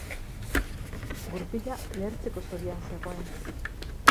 Gurpila lehertzeko zorian zegoen.